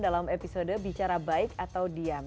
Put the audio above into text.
dalam episode bicara baik atau diam